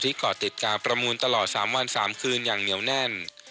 เกาะติดการประมูลตลอด๓วัน๓คืนอย่างเหนียวแน่น